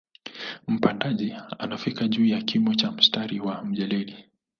Mpandaji anafika juu ya kimo cha mstari wa jeledi